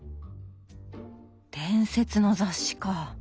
伝説の雑誌か。